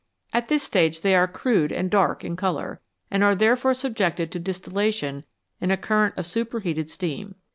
At this stage they are crude and dark in colour, and are therefore subjected to dis tillation in a current of superheated steam.